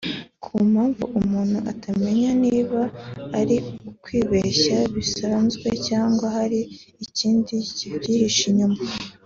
ku mpamvu umuntu atamenya niba ari ukwibeshya bisanzwe cyangwa hari ikindi kibyihishe inyuma